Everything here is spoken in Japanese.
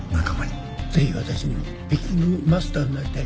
ぜひ私にも。ピッキングマスターになりたい。